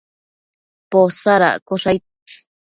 Posadaccosh aid